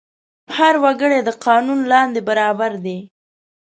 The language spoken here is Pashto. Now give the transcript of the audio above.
هر وګړی د قانون لاندې برابر دی.